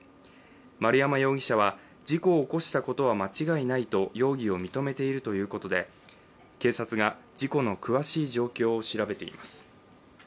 丸山容疑者は事故を起こしたことは間違いないと容疑を認めているということで警察が事故の詳しい状況を調べています。